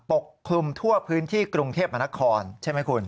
ปกคลุมทั่วพื้นที่กรุงเทพมนครใช่ไหมคุณ